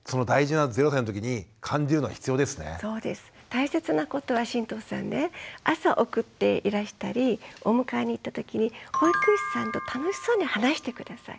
大切なことは神藤さんね朝送っていらしたりお迎えに行ったときに保育士さんと楽しそうに話して下さい。